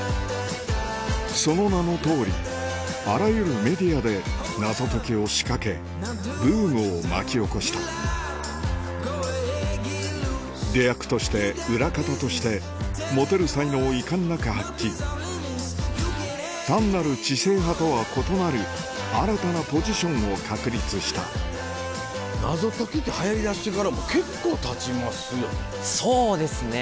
その名の通りあらゆるメディアで謎解きを仕掛けブームを巻き起こした出役として裏方として持てる才能を遺憾なく発揮単なる知性派とは異なる新たなポジションを確立したそうですね。